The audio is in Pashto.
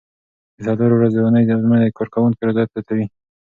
د څلورو ورځو اونۍ ازموینه د کارکوونکو رضایت زیاتوي.